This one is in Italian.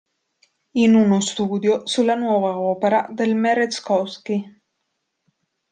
In uno studio su la nuova opera del Merezkowski.